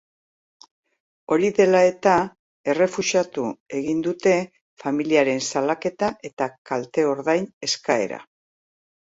Hori dela eta, errefusatu egin dute familiaren salaketa eta kalte-ordain eskaera.